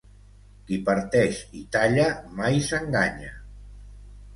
Qui parteix i talla, mai s'enganya.